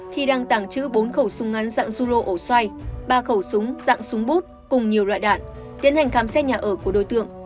khi đang tàng trữ bốn khẩu súng ngắn dạng zolo ổ xoay ba khẩu súng dạng súng bút cùng nhiều loại đạn tiến hành khám xét nhà ở của đối tượng